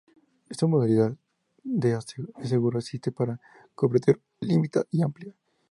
Esta modalidad de seguro existe para cobertura limitada y amplia.